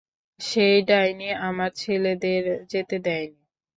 সেই ডাইনি আমার ছেলেদের যেতে দেয়নি।